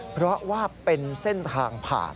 เพราะว่าเป็นเส้นทางผ่าน